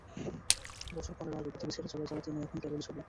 বছর পনেরো আগে পৃথিবী ছেড়ে চলে যাওয়া তিনি এখন কেবলই ছবি।